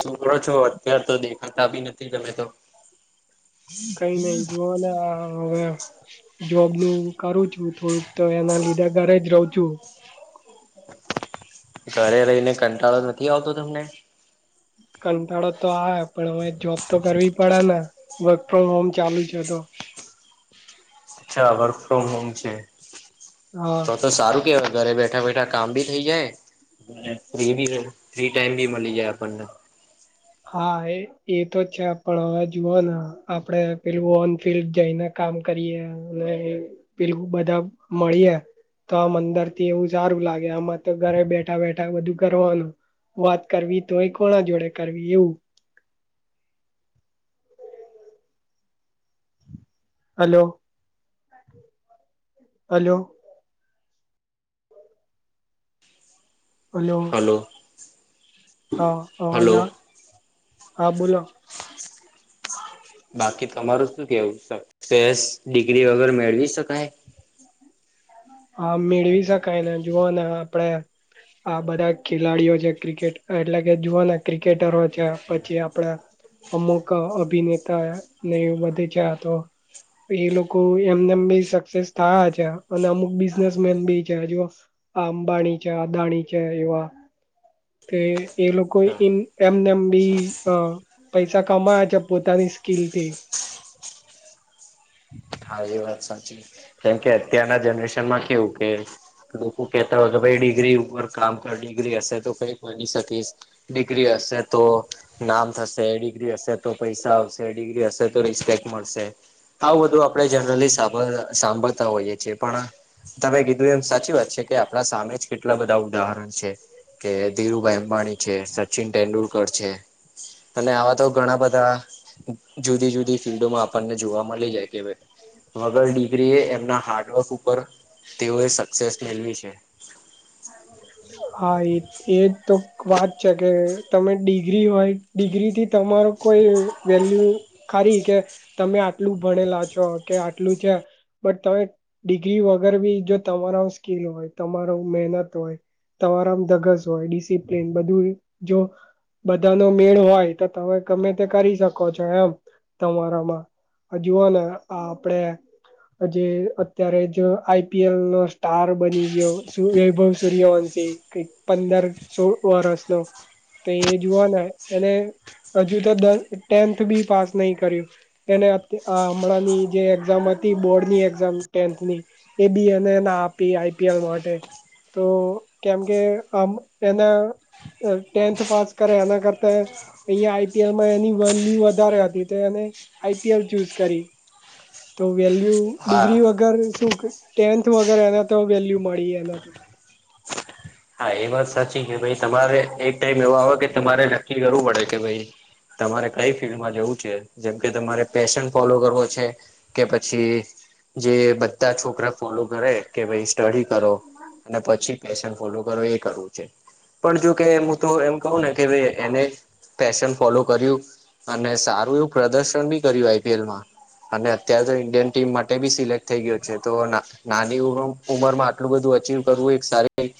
છોકરો છો અત્યાર તો દેખાતા બી નથી તમે તો. ભલે આ હવે જોબ નું કરું છું થોડુંક તો એના લીધા ઘરે જ રહું છું. ઘરે રયને કંટાળો નથી આવતો તમને? કંટાળો તો આવે પણ હવે જોબ તો કરવી પડે ને. વર્ક ફ્રોમ હોમ ચાલુ છે તો. અચ્છા વર્ક ફ્રોમ હોમ છે હા તો તો સારું કેવાય ઘરે બેઠા બેઠા બેઠા કામ ભી થઈ જાય ફ્રી ફ્રી ટાઈમ બી મળી જાય આપણને. હા એ એ તો છે પણ અવે જુઓ આપડે પેલું ઓન ફિલ્ડ જઈ ને કામ કરીએ અને પેલું બધા મળીએ તો આમ અંદર થી એવું સારું લાગે આમાં તો ઘરે બેઠા બેઠા બધું કરવાનું. વાત કરવી તો એ કોના જોડે કરવી એવું? Hello hello. હલો. હા અવાજ હલો આવે હા બોલો. બાકી તમારું શું કેવું સક્સેસ ડિગ્રી વગેર મેળવી શકાય? હા મેળવી શકાય ને જુઓને આપડે આ બધા ખેલાડીઓ છે ક્રિકેટ એટલે કે જુઓને ક્રિકેટરો છે પછી આપણા અમુક અભિનેતા ને એ બધે છે આતો એ લોકો એમનેમ બી સક્સેસ થયા છે. અને અમુક બિઝનેસમેન બી છે જુવો આ અંબાણી છે, અદાણી છે એવા. કે એ લોકો એમનેમ બી અ પૈસા કમાયા છે પોતાની સ્કીલ થી કે વાત સાચી કેમ કે અત્યારના જનરેશનમાં કેવું કે લોકો કેહેતા હોય કે ભાઈ ડિગ્રી ઉપર કામ કર ડિગ્રી હશે તો કઈ બની શકીશ. ડિગ્રી હશે તો નામ થશે, ડિગ્રી હશે તો પૈસા આવશે, ડિગ્રી હશે તો રિસ્પેક્ટ મળશે. આવુ બધું આપણેે જનરલી સાંભ સાંભળતા હોઈએ છીએ પણ તમે કીધું એમ સાચી વાત છે કે આપણા સામે જ કેટલા બધા ઉદાહરણ છે કે ધીરુભાઈ અંબાણી છે, સચિન તેંડુલકર છે. અને આવા તો ઘણા બધા જુદી -જુદી ફિલ્ડોમાં આપણને જોવા મળી જાય કે ભાઈ. વગર ડિગ્રી એ એમના હાર્ડવર્ક ઉપર તેઓએ સક્સેસ મેળવી છે. હા એ. એ જ તો વાત છે કે તમે ડિગ્રી હોય ડિગ્રીથી તમારો કોઈ વેલ્યુ ખારી કે તમે આટલું ભણેલા છો કે આટલું છે. બટ તોયે ડિગ્રી વગર ભી તમારા સ્કીલ હોય તમારો મહેનત હોય. તમારા માં ધગસ હોય, ડિસિપ્લન બધું જો બધા ને મેળ હોય તો તમે ગમે તે કરી શકો છો એમ તમારામાં. આ જુઓને આ આપડે હજી અત્યારે જ આઈ પી એલનો સ્ટાર બની ગયો શું વૈભવ, સૂર્યવંશી કિક પંદર સોળ વર્ષનો તો એ જોવાના. એને હજુ તો દ ટેન્થ ભી પાસ નહીં કર્યું. એને અત અહ હમણાંની જે એક્ઝામ હતી બોર્ડની એક્ઝામ ટેન્થની એ બી એને ના આપી આઈ પી એલ માટે. તો કેમ કે આમ એના અહ ટેન્થ પાસ કરે એના કરતા અહીંયા આઈ પી એલમાં એની વેલ્યુ વધારે હતી, તો એને આઈ પી એલ ચૂઝ કરી. તો વેલ્યુ હા ડિગ્રી વગર શું કે ટેન્થ વગર એઈ એને તો વેલ્યુ મળી એને તો. હા એ વાત સાચી કે ભઈ તમારે એક ટાઈમ એવો આવે કે તમારે નક્કી કરવું પડે કે ભઈ તમારે કંઈ ફિલ્ડમાં જવું છે, જેમકે તમારે પેશન ફોલો કરવો છે, કે પછી જે બધ ધા છોકરા ફોલો કરે કે ભઈ સ્ટડી કરો, અને પછી પેશન ફોલો કરો એ કરવું છે. પણ જોકે હું તો એમ કહું ને કે ભઈ એને પેશન ફોલો કર્યું, અને સારું એવું પ્રદર્શન ભી કર્યું આઈ પી એલમાં. અને અત્યારે તો ઇન્ડિયન ટીમ માટે ભી સિલેક્ટ થઈ ગયો છે. તો [unintelligible] નાની [unintelligible] ઉંમરમાં આટલું બધું અચીવ કરવું એક સારી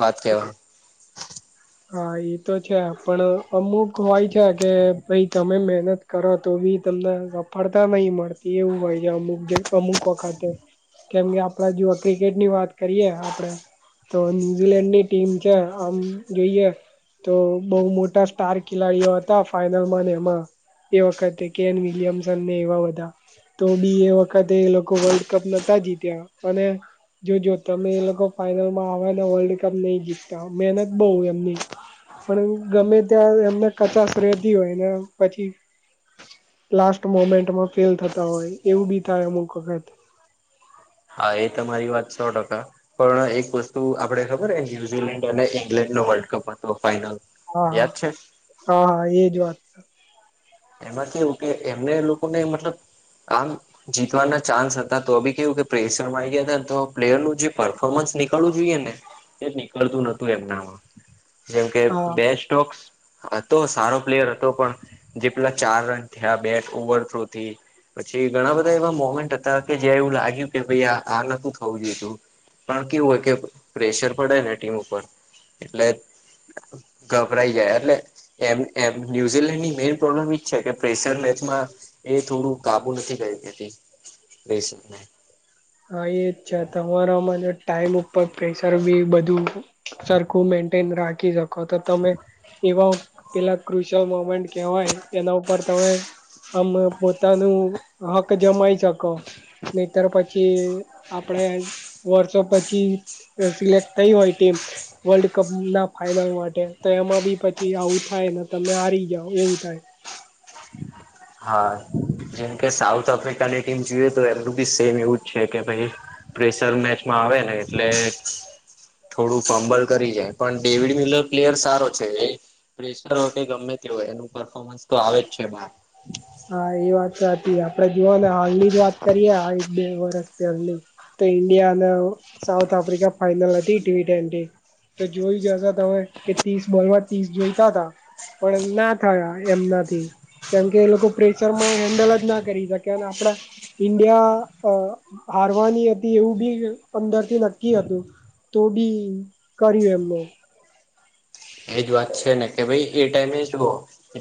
વાત કહેવાય. [inaudible] હા ઈ તો છે. પણ અમુક હોય છે, કે ભઈ તમે મહેનત કરો તો ભી તમને સફળતા નહીં મળતી એવું હોય છે અમુક જ અમુક વખતે એમ. કેમ કે આપણે જોવો ક્રિકેટની વાત કરીએ આપડે તો ન્યૂઝ ઝીલેન્ડની ટીમ છે, આમ જોઈએ તો બહુ મોટા સ્ટાર ખેલાડીઓ હતા ફાઈનલમાં ને એમાં એ વખતે કેન વિલિયમસનને એવા બધા. તો બી એ વખતે એ લોકો વર્લ્ડકપ નતા જીત્યા, અને જો-જો તમે એ લોકો ફાઈનલમાં આવે ને વર્લ્ડ કપ નહીં જીતતા, મહેનત બહુ એમની. પણ ગમે ત્યાં એમને કચાશ રહેતી હોય, ને પછી લાસ્ટ મોમેન્ટમાં ફેલ થતા હોય એવું ભી થાય અમુક વખત. હા એ તમારી વાત સો ટકા. પણ એક વસ્તુ આપડે ખબર હે ન્યુઝીલેન્ડ અને ઈંગ્લેન્ડનો વર્લ્ડ કપ હતો ફાઈનલ? હા, હા. યાદ છે હા, હા એજ વાત. એમાં કેવું કે એમને લોકોને મતલબ આમ જીતવાના ચાન્સ હતા તો બી કેવું કે પ્રેેશરમાં આઈ ગયા તા ને તો પ્લેયરનું જે પરર્ફોર્મન્સ નીકળવું જોઈએને એ જ નીકળતું નતું એમનામાં. જેમ કે હા બેસ્ટોક્સ હતો સારો પ્લેયર હતો, પણ જેટલા ચાર રન થયા બેટ ઓવર થ્રુ થી પછી ઘણા બધા એવા મોમેન્ટ હતા કે જ્યાં એવું લાગ્યું કે ભઈ આ-આ નતું થવું જોઈતું. પણ કેવું હોય કે પ્રેશર પડે ને ટીમ ઉપર, એટલે ગભરાઈ જાય, એટલે એમ-એમ ન્યુઝીલેન્ડની [unintelligible] પ્રોબ્લમ ઈજ છે કે પ્રેશર મેચમાં એ થોડું કાબુ નથી કરી દેતી. [unintelligible] હા એ જ છે. તમારામાં જે ટાઈમ ઉપર પ્રેશર બી બધું સરખું મેન્ટેન રાખી શકો તો તમે એવા પેલા ક્રુશિયલ મોમેન્ટ કહેવાય એના ઉપર તમે આમ પોતાનું હક જમાઈ શકો. નહીંતર પછ જે આપડે વરસો પછી સિલેક્ટ થઈ હોય ટીમ વર્લ્ડ કપ ના ફાઈનલ માટે તો એમાં બી પછી આવું થાય ને તમે હારી જાવ એવું થાય. હા જેમ કે સાઉથ આફ્રિકાની ટીમ જોઈએ તો એમનું બી સેમ એવું જ છે કે ભાઈ પ્રેશર મેચમાં આવે ને એટલે થોડું ફંબલ કરી જાય પણ ડેવિડ મિલર પ્લેયર સારો છે એ પ્રેશર હો કે ગમે તે હોય એનું પરર્ફોર્મન્સ તો આવે જ છે બાર. હા એ વાત સાચી આપડે જુઓ ને હાલની જ વાત કરીએે આ એક બે વરસ. [unintelligible] તો ઇન્ડિયા અને સાઉથ આફ્રિકાની ફાઈનલ હતી ટી ટ્વેન્ટી તો જોયુ જ હશે તમે કે ત્રીસ બોલમાં ત્રીસ જોઈતા તા. પણ ના થયા એમનાથી. કેમ કે એ લોકો પ્રેશર માં હેન્ડલ જ ના કરી શક્યા ન આપડા ઈન્ડિયા અ હારવાની હતી એવું બી અંદરથી નક્કી હતું. તો બી કર્યું એમને. એ જ વાત છે ને કે ભાઈ એ ટાઈમે જુઓ.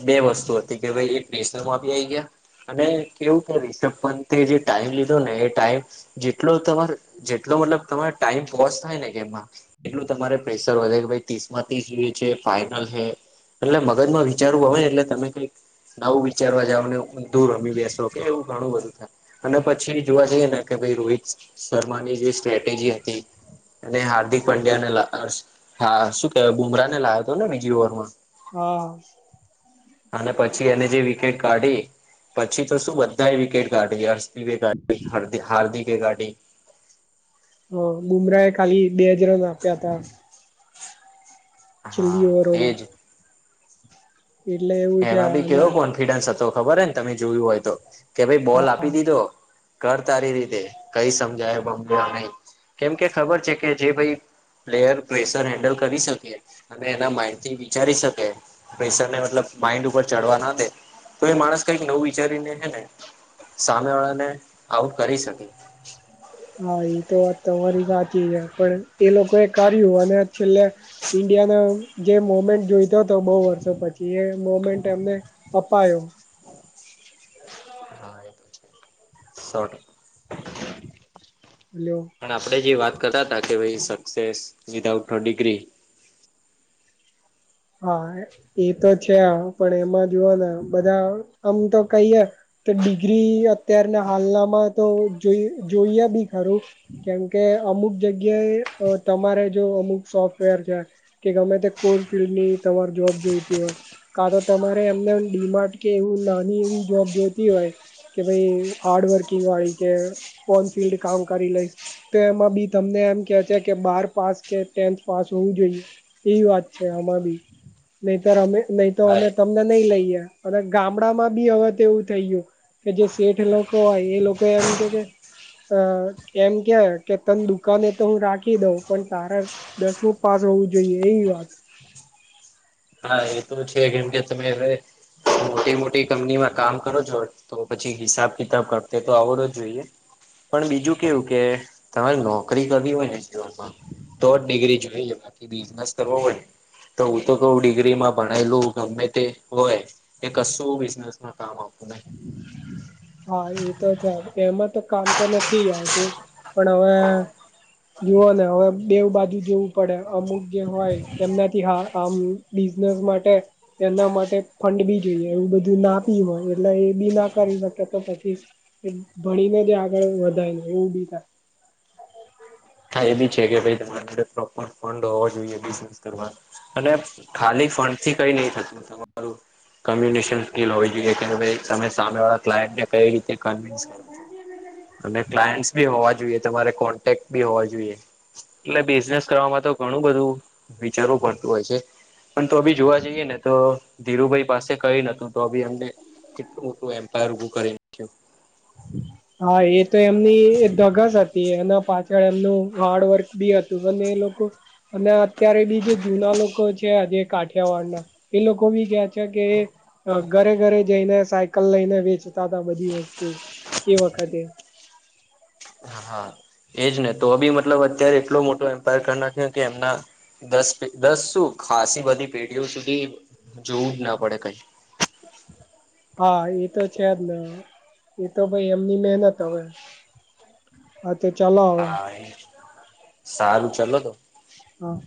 બે વસ્તુ હતી કે ભાઈ એ પ્રેશનરમાં બી આઇ ગયા. અને કેવું કે રિષભ પંતે જે ટાઈમ લીધો ને એ ટાઈમ જેટલો તમાર જેટલો મતલબ તમારો ટાઈમ વોસ થાય ને ગેમમાં એટલું તમારે પ્રેશર વધે કે ભઇ ત્રીસ માં ત્રીસ જુએ. કે ફાઇનલ છે એટલે મગજમાં વિચારવું આવે એટલે તમે કઈક નવું વિચારવા જાવ ને દૂર રમી બેસો કે એવું ઘણું બધું થાય. અને પછી જોવા જઈએ ને કે ભાઈ રોહિત શર્માની જે સ્ટ્રેટેજી હતી. અને હાર્દિક પંડ્યાને [unintelligible] હા શું કેવાય બુમરાહ ને લાવ્યો હતો ને બીજી ઓવરમાં. હા. અને પછી એને જે વિકેટ કાઢી પછી તો શું બધાએ વિકેટ કાઢી હર્ષદીપે કાઢી [unintelligible] હાર્દિકે કાઢી હ બુમરાહે ખાલી બે જ રન આપ્યા હતા. છેલ્લી હા ઓવરોમાં એજ એટલે એવું છે એમાં ભી અને કેવો કોન્ફિડન્સ હતો ખબર હે ન તમે જોયું હોય તો કે ભાઈ બોલ આપી દીધો. કર તારી રીતે કઈ સમજાય પણ [unintelligible] નહી કેમ કે ખબર છે કે જે ભાઈ પ્લેયર પ્રેશર હેન્ડલ કરી શકે અને એના માઇન્ડ થી વિચારી શકે. પ્રેશર ને મતલબ માઈન્ડ ઉપર ચડવા ના દે તો એ માણસ કઈક નવું વિચારીને હે ને સામેવાળા ને આઉટ કરી શકે. [unintelligible] હા એ તો વાત તમારી સાચી છે પણ એ લોકો એ કર્યું અને છેલ્લે ઈન્ડિયાને જે મોમેન્ટ જોઈતો હતો બહુ વર્ષો પછી એ મોમેન્ટ એમને અપાયો. હા [unintelligible] સોટ હલો પણ આપણે જે વાત કરતા હતા કે ભાઈ સક્સેસ વિધઉટ અ ડિગ્રી હા એ તો છે પણ એમાં જુઓને બધા આમ તો કહીએ તો ડિગ્રી અત્યારના હાલનામાં તો જોઇ જોઈએ બી ખરું. કેમકે અમુક જગ્યાએ તમારે જો અમુક સોફ્ટવેર છે કે ગમે તે કોર ફિલ્ડ ની તમાર જોબ જોઈતી હોય. કા તો તમારે એમને ડીમાર્ટ કે એવું નાની એવી જોબ જોતી હોય. કે ભઈ, હાર્ડવર્કિંગ વાળી કે ઓન ફિલ્ડ કામ કરી લઈશ. તો એમાં બી તમને એમ કે છે કે, બાર પાસ કે ટેન્થ પાસ હોવું જોઈએ, એવી વાત છે આમાં બી. નહીતર અમે નહીં તો હા અમે ત તમને લઈ લઈએ. અને ગામડામાં બી હવે તો એવું થઈ ગ્યું કે જે શેઠ લોકો હોય, એ લોકો એમ કે કે અ, એમ કે, કે તન દુકાને તો હું રાખી દઉં, પણ તારે દસમું પાસ હોવું જોઈએ, એવી વાત હા એ તો છે. કેમ કે તમે હવે મોટી મોટી કંપનીમાં કામ કરો છો તો પછી હિસાબ કિતાબ કરતે તો આવડવો જ જોઈએ. પણ બીજું કેવું કે, તમારે નોકરી કરવી હોય ને જીવનમાં તો જ ડિગ્રી જોઈએ. બાકી બિઝનેસ કરવો હોય ન, તો હું તો ડિગ્રીમાં ભણાએલું ગમે તે હોય, એ કશું બિઝનેસમાં કામ આવતું નહીં. હા, એ તો છે જ. કે એમાં તો કામ તો નથી જ આવતું. પણ હવે જુઓને હવે બેવ બાજુ જોવું પડે. અમુક જે હોય એમનાથી હા, આમ બિઝનેસ માટે એના માટે ફંડ બી જોઈએ, એવું બધું ના બી હોય, એમ. એટલે એ બી ના કરી શકે, તો પછી એ ભણીને જ આગળ વધાય, ને એવું બી થાય. હા, એ બી છે, કે ભઈ તમારી માસે પ્રોપર ફંડ હોવો જોઈએ બિઝનેસ કરવા. અને ખાલી ફંડ થી કંઈ નહીં થતું. તમારું કમ્યુનિશન સ્કીલ હોવી જોઈ, કે તમે સામેવાળા ક્લાયન્ટને કઈ રીતે કનવીન્સ કરો છો. અને ક્લાયન્ટસ બી હોવા જોઈએ, તમારે કોન્ટેક્ટ બી હોવા જોઈએ. એટલે બિઝનેસ કરવામાં તો ઘણું બધું વિચારવું પડતું હોય છે. પણ તો બી જોવા જઈએ ને, તો ધીરુભાઈ પાસે કંઈ નતુ. પણ તો બી એમને કેટલું મોટું એમ્પાયર ઉભું કરી નાખ્યું. હા, એ તો એમની ધગસ હતી, એના પાછળ એમનું હાર્ડવર્ક બી હતું. અને એ લોકો અને અત્યારે બી જે જૂના લોકો છે, આજે કાઠિયાવાડના એ લોકો બી કે છે કે અ ઘરે ઘરે જઈને સાયકલ લઈને વેચતા તા બધી વસ્તુ. એ વખતે. હા. એજ ને. તો બી મતલબ અત્યારે એટલો મોટો એમ્પાયર કર નાખ્યો, કે એમના દસ પે, દસ શું ખાસી બધી પેઢીઓ સુધી જોવું જ ના પડે કંઈ. હા, એ તો છે જ ને. એ તો ભઈ એમની મહેનત, હવે. હા તે ચાલો હવે હા એ જ. સારું ચલો તો. હા.